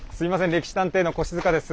「歴史探偵」の越塚です。